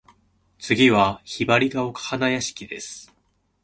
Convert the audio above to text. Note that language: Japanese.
次は雲雀丘花屋敷（ひばりがおかはなやしき）です。